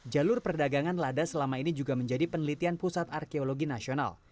jalur perdagangan lada selama ini juga menjadi penelitian pusat arkeologi nasional